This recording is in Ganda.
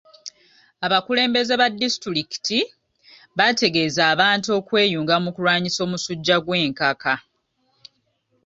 Abakulembeze ba disitulikiti baategeeza abantu okweyunga mu kulwanyisa omusujja gw'enkaka.